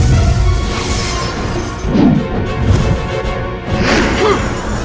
jadi satu olivir